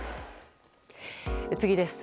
次です。